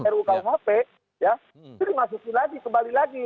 ru kuhp ya itu dimasukin lagi kembali lagi